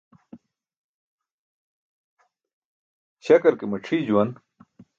Śakar ke macʰii juwan.